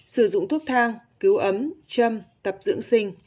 sử dụng thuốc thang cứu ấm châm tập dưỡng sinh